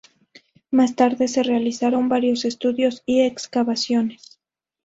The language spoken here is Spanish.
Más tarde, se realizaron varios estudios y excavaciones.